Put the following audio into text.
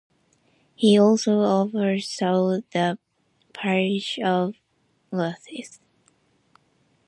He also oversaw the parish of Rosyth.